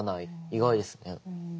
意外ですね。